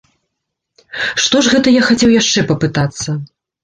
Што ж гэта я хацеў яшчэ папытацца?